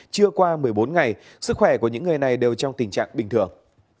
trưa qua một mươi bốn ngày sức khỏe của những người này đều trong tình trạng bình thường